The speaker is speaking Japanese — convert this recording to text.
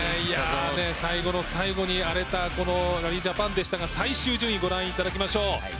最後の最後に荒れたこのラリージャパンでしたが最終順位をご覧いただきましょう。